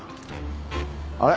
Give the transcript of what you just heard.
あれ？